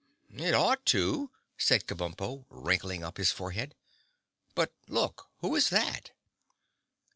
"It ought to," said Kabumpo, wrinkling up his forehead. "But look! Who is that?"